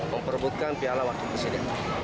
memperbutkan piala wakil presiden